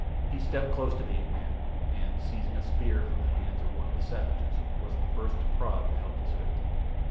He stepped close to the ape man, and, seizing a spear from the hands of one of the savages, was the first to prod the helpless victim.